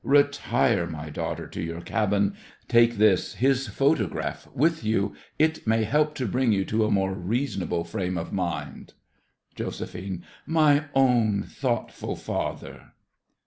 Retire, my daughter, to your cabin—take this, his photograph, with you—it may help to bring you to a more reasonable frame of mind. JOS. My own thoughtful father!